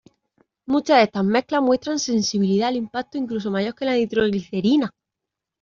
Muchas de estas mezclas muestran sensibilidad al impacto incluso mayor que la nitroglicerina.